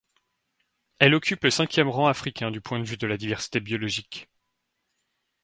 Elle occupe le cinquième rang africain du point de vue de la diversité biologique.